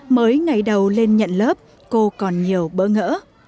mới ngày đầu lên nhận lớp cô còn nhiều bỡ ngỡ